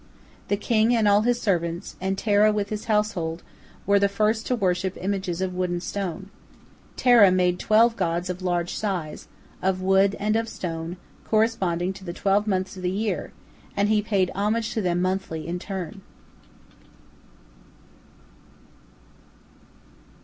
The king and all his servants, and Terah with his household, were the first to worship images of wood and stone. Terah made twelve gods of large size, of wood and of stone, corresponding to the twelve months of the year, and he paid homage to them monthly in turn.